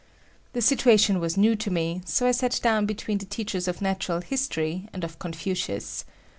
The situation was new to me, so I sat down between the teachers of natural history and of Confucius.